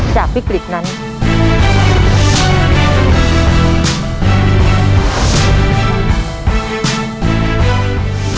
เพื่อให้คุณมีวิกฤตที่หาทางออกไม่ได้